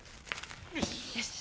よし。